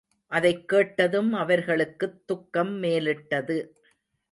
அதைக் கேட்டதும் அவர்களுக்குத் துக்கம் மேலிட்டது.